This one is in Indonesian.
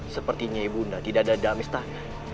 sepertinya ibu ndak tidak ada di amistad